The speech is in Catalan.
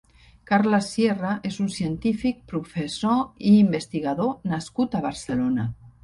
Carles Sierra és un cientific, professor i investigador nascut a Barcelona.